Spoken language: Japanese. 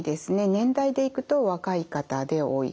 年代でいくと若い方で多い。